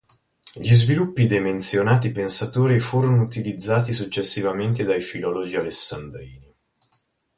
Gli sviluppi de menzionati pensatori furono utilizzati successivamente dai filologi alessandrini.